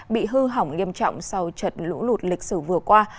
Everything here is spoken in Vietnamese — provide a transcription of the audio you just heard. bị hư hỏng nghiêm trọng sau trận lũ lụt lịch sử vừa qua